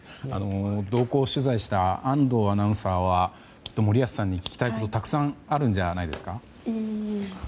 同行取材した安藤アナウンサーはきっと森保さんに聞きたいことがたくさんあるんじゃないですか。